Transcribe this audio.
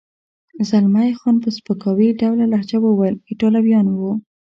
زلمی خان په سپکاوي ډوله لهجه وویل: ایټالویان و.